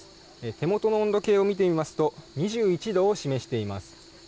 手元の温度計を見てみますと２１度を示しています。